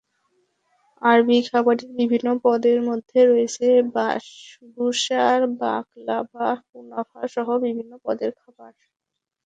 আরবি খাবারের বিভিন্ন পদের মধ্যে রয়েছে বাসবুসা, বাকলাভা, কুনাফাসহ বিভিন্ন পদের খাবার।